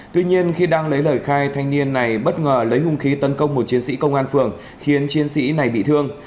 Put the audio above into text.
tuy nhiên khi đang lấy lời khai thanh niên này bất ngờ lấy hung khí tấn công một chiến sĩ công an phường khiến chiến sĩ này bị thương